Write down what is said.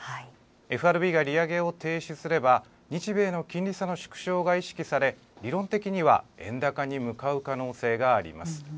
ＦＲＢが利上げを停止すれば、日米の金利差の縮小が意識され、理論的には円高に向かう可能性があります。